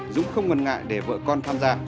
dũng không ngần ngại để vợ con tham gia